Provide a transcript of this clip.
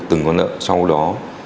từng con nợ sau đó